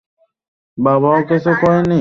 আমি যখন যুদ্ধে ছিলাম আমার হাড় ভেঙ্গে গিয়েছিল।